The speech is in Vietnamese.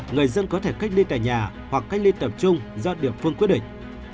người dân có thể cách ly tại nhà hoặc cách ly tập trung do địa phương quyết định